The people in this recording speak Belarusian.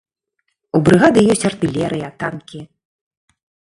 У брыгады ёсць артылерыя, танкі.